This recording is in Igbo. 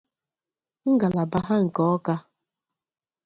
ngalaba ha nke Awka